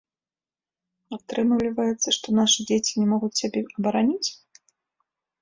Атрымліваецца, што нашы дзеці не могуць сябе абараніць?